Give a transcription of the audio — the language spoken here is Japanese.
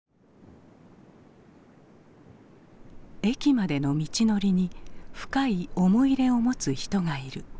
駅までの道のりに深い思い入れを持つ人がいる。